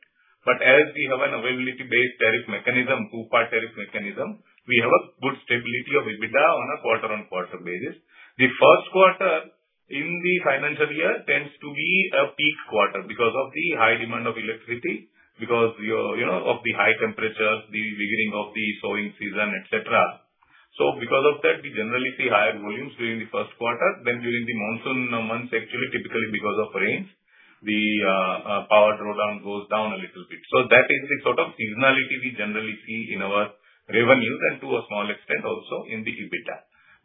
But as we have an availability-based tariff mechanism, two-part tariff mechanism, we have a good stability of EBITDA on a quarter-on-quarter basis. The first quarter in the financial year tends to be a peak quarter because of the high demand of electricity, because of the high temperatures, the beginning of the sowing season, et cetera. Because of that, we generally see higher volumes during the first quarter than during the monsoon months actually, typically because of rains, the power drawdown goes down a little bit. That is the sort of seasonality we generally see in our revenues and to a small extent also in the EBITDA.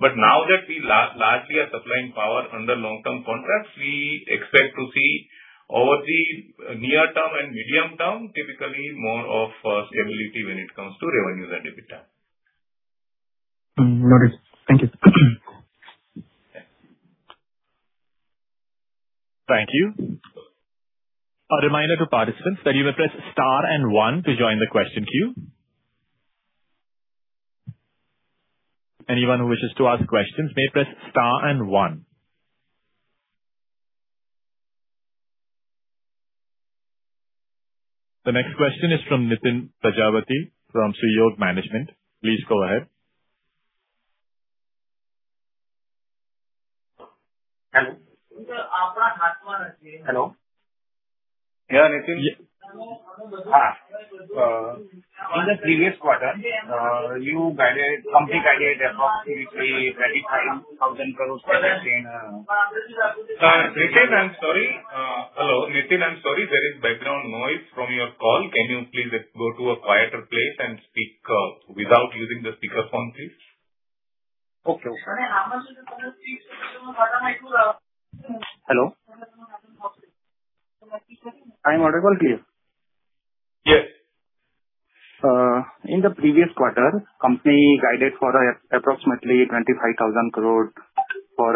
Now that we largely are supplying power under long-term contracts, we expect to see over the near term and medium term, typically more of stability when it comes to revenues and EBITDA. Noted. Thank you. Thank you. A reminder to participants that you will press star and one to join the question queue. Anyone who wishes to ask questions may press star and one. The next question is from Nithin Prajavthy from Sriyog Management. Please go ahead. Hello. Hello. Yeah, Nithin. In the previous quarter, company guided approximately 35,000 crore. Nithin, I'm sorry. Hello, Nithin, I'm sorry, there is background noise from your call. Can you please go to a quieter place and speak without using the speaker phone, please? Okay. Hello. I am audible clear? Yes. In the previous quarter, company guided for approximately 25,000 crore for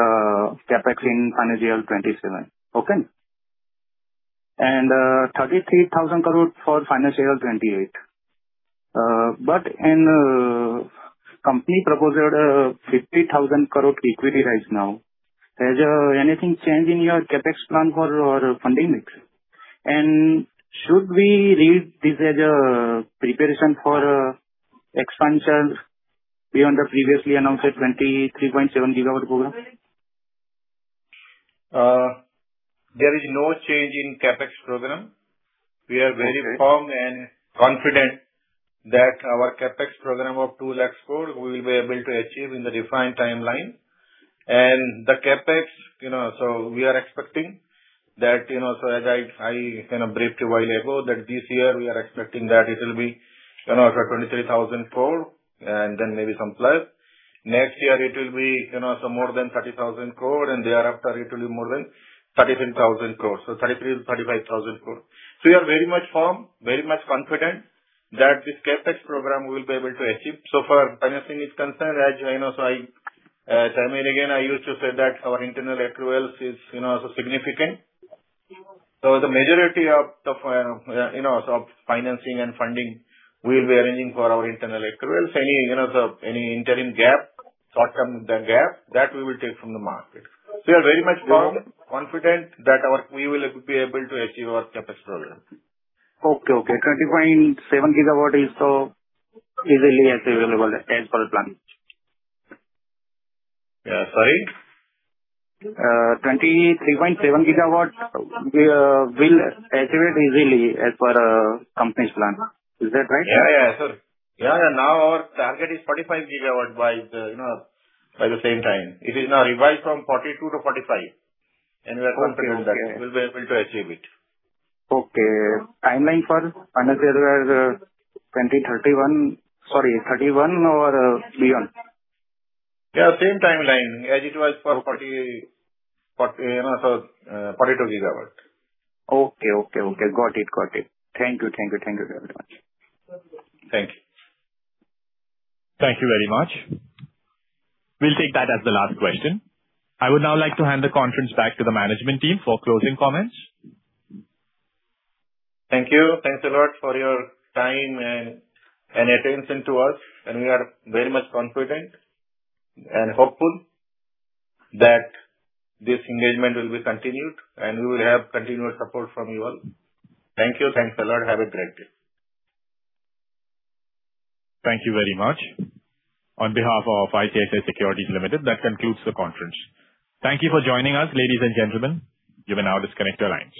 CapEx in FY 2027. Okay? 33,000 crore for FY 2028. Company proposed 50,000 crore equity raise now. Has anything changed in your CapEx plan for your funding mix? Should we read this as a preparation for expansion beyond the previously announced 23.7 GW program? There is no change in CapEx program. We are very firm and confident that our CapEx program of 2 lakh crore, we will be able to achieve in the defined timeline. The CapEx, we are expecting that, as I kind of briefed a while ago, that this year we are expecting that it will be 23,000 crore and then maybe some plus. Next year it will be more than 30,000 crore and thereafter it will be more than 37,000 crore. 33,000-35,000 crore. We are very much firm, very much confident that this CapEx program we will be able to achieve. For financing is concerned, as you know, I reiterate again, I used to say that our internal accruals is also significant. The majority of financing and funding, we will be arranging for our internal accruals. Any interim gap, short-term gap, that we will take from the market. We are very much firm, confident that we will be able to achieve our CapEx program. Okay. 23.7 GW is so easily as available as per plan. Sorry? 23.7 GW will activate easily as per company's plan. Is that right? Yeah. Our target is 45 GW by the same time. It is now revised from 42 GW to 45 GW. We are confident that we will be able to achieve it. Okay. Timeline for financial year 2031, sorry, 2031 or beyond? Yeah, same timeline as it was for 42 GW. Okay. Got it. Thank you. Thank you very much. Thank you. Thank you very much. We will take that as the last question. I would now like to hand the conference back to the management team for closing comments. Thank you. Thanks a lot for your time and attention to us, and we are very much confident and hopeful that this engagement will be continued, and we will have continuous support from you all. Thank you. Thanks a lot. Have a great day. Thank you very much. On behalf of ICICI Securities Limited, that concludes the conference. Thank you for joining us, ladies and gentlemen. You may now disconnect your lines.